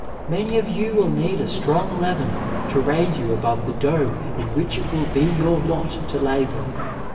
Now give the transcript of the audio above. Many of you will need a str(mg leaven to raise you above the dough in which it will be your lot to labour.